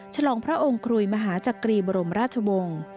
ฉลองพระองค์กรุยมหาจักรีบรมราชวงศ์